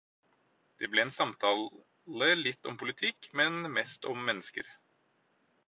Det ble en samtale litt om politikk, men mest om mennesker.